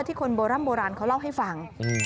คนโบร่ำโบราณเขาเล่าให้ฟัง